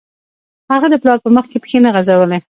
هغه د پلار په مخکې پښې نه غځولې